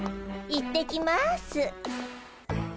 行ってきます。